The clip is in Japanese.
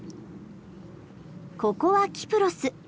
ここはキプロス。